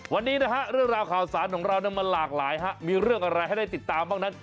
วันนี้นะฮะเรื่องราวข่าวสารของเรามันหลากหลายมีเรื่องอะไรให้ได้ติดตามบ้างนั้น